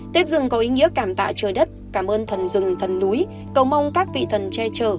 tết rừng có ý nghĩa cảm tạo trời đất cảm ơn thần rừng thần núi cầu mong các vị thần che chở